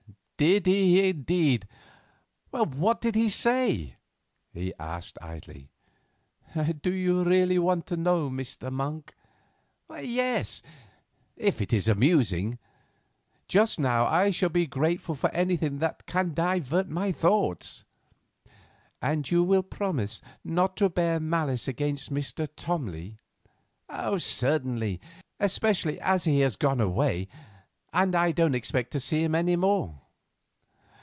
"Did he indeed? What did he say?" he asked idly. "Do you really want to know, Mr. Monk?" "Yes, if it is amusing. Just now I shall be grateful for anything that can divert my thoughts." "And you will promise not to bear malice against Mr. Tomley?" "Certainly, especially as he has gone away, and I don't expect to see him any more."